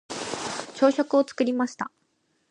朝食を作りました。